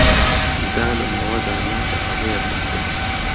دانم بەوەدا نا کە هەڵەیەکم کرد.